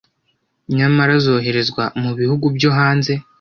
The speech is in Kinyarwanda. nyamara zoherezwa mu bihugu byo hanze